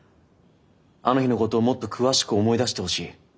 あの日のことをもっと詳しく思い出してほしい。